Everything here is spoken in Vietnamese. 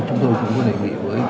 chúng tôi cũng có nền nghị với